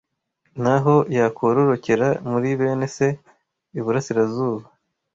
Naho yakororokera muri bene se iburasirazuba